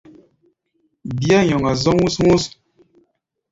Bíá nyɔŋa zɔ̧́ hú̧s-hú̧s.